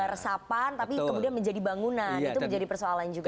resapan tapi kemudian menjadi bangunan itu menjadi persoalan juga